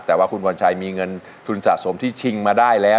แต่ว่าคุณวัญชัยมีเงินทุนสะสมที่ชิงมาได้แล้ว